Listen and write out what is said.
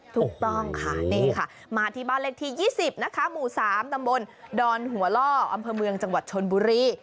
ถูกต้องค่ะนี่ค่ะมาที่บ้านเลขที่๒๐นะคะหมู่๓ตำบลดอนหัวล่ออำเภอเมืองจังหวัดชนบุรี